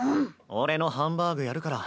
俺のハンバーグやるから。